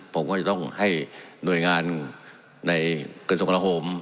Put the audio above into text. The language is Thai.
ผมก็จะต้องให้หน่วยงานในกรณศักรณหอม